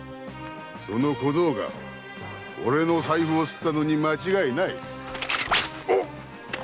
その小僧が俺の財布をすったのに間違いない！